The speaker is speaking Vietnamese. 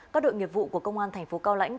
các đội nghiệp vụ của công an thành phố cao lãnh